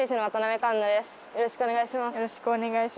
よろしくお願いします。